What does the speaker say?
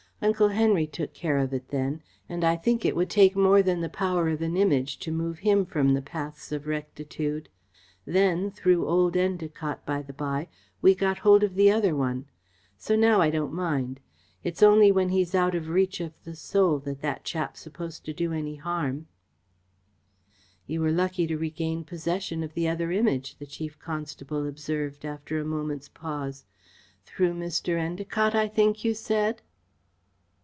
"Uncle Henry took care of it then, and I think it would take more than the power of an Image to move him from the paths of rectitude. Then through old Endacott, by the by we got hold of the other one. So now I don't mind. It is only when he's out of reach of the Soul that that chap's supposed to do any harm." "You were lucky to regain possession of the other Image," the Chief Constable observed, after a moment's pause. "Through Mr. Endacott, I think you said?"